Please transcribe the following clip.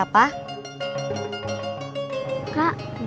tapi jelas dalam kekejaman